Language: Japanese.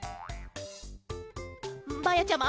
まやちゃま？